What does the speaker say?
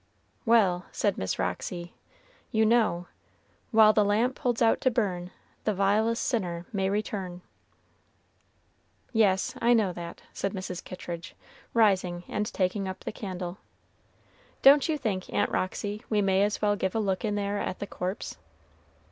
"Well," said Miss Roxy, "you know "'While the lamp holds out to burn, The vilest sinner may return.'" "Yes, I know that," said Mrs. Kittridge, rising and taking up the candle. "Don't you think, Aunt Roxy, we may as well give a look in there at the corpse?"